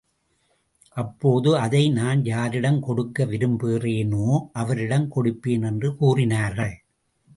அப்போது அதை நான் யாரிடம் கொடுக்க விரும்புகிறேனோ, அவரிடம் கொடுப்பேன் என்று கூறினார்கள்.